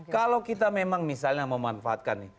kalau kita memang misalnya mau manfaatkan nih